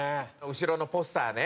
後ろのポスターね。